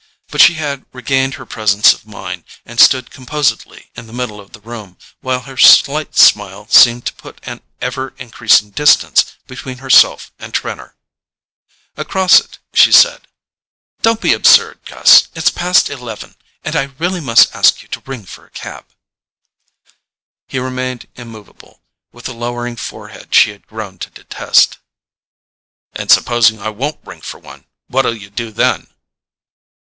But she had regained her presence of mind, and stood composedly in the middle of the room, while her slight smile seemed to put an ever increasing distance between herself and Trenor. Across it she said: "Don't be absurd, Gus. It's past eleven, and I must really ask you to ring for a cab." He remained immovable, with the lowering forehead she had grown to detest. "And supposing I won't ring for one—what'll you do then?"